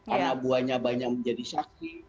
anak buahnya banyak menjadi syakri